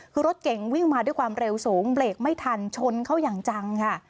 คือรถเก่งวิ่งมาด้วยความเร็วสูงเบรกไม่ทันชนเขาอย่างจังค่ะ